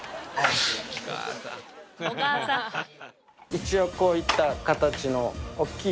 一応こういった形の大きい。